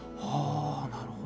なるほど。